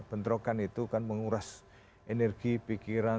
bentrokan itu kan menguras energi pikiran